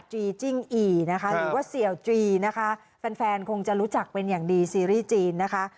จีจิ้งอีนะคะหรือว่าเสี่ยวจีนะคะแฟนแฟนคงจะรู้จักเป็นอย่างดีซีรีส์จีนนะคะ